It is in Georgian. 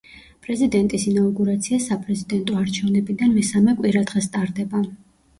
პრეზიდენტის ინაუგურაცია საპრეზიდენტო არჩევნებიდან მესამე კვირადღეს ტარდება.